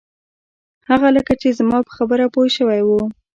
هغه لکه چې زما په خبره پوی شوی و.